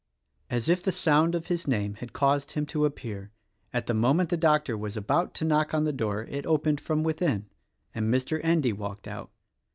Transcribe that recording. As if the sound of his name had caused him to appear, — at the moment the doctor was about to knock upon the door, — it opened from within, and Mr. Endy walked out.